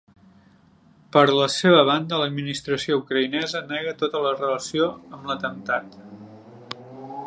Per la seva banda, l'administració ucraïnesa negà tota relació amb l'atemptat.